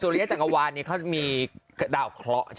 ดำเนินคดีต่อไปนั่นเองครับ